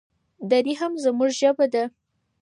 دري هم زموږ ژبه ده.